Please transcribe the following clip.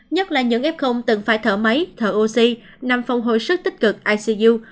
nhất là những f từng phải thở máy thở oxy nằm phòng hồi sức tích cực icu